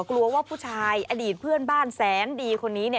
กลัวว่าผู้ชายอดีตเพื่อนบ้านแสนดีคนนี้